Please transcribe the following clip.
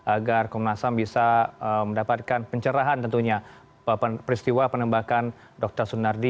agar komnas ham bisa mendapatkan pencerahan tentunya peristiwa penembakan dr sunardi